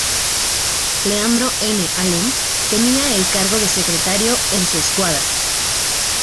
Leandro N. Alem tenía el cargo de secretario en su escuadra.